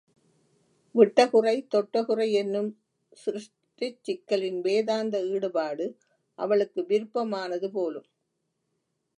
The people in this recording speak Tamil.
விட்டகுறை தொட்டகுறையென்னும் சிருஷ்டிச்சிக்கலின் வேதாந்த ஈடுபாடு அவளுக்கு விருப்பமானது போலும்.